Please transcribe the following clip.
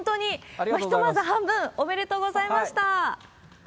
ひとまず半分、ありがとうございました。